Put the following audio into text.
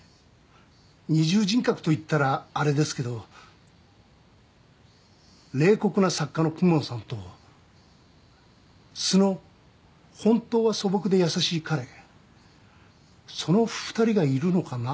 二重人格と言ったらあれですけど冷酷な作家の公文さんと素の本当は素朴で優しい彼その２人がいるのかな？